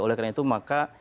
oleh karena itu maka